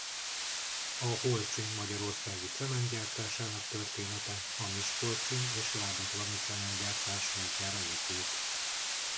A Holcim magyarországi cementgyártásának története a miskolci és lábatlani cementgyártás múltjára épült.